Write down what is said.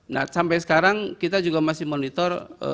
nah sampai sekarang kita juga masih monitor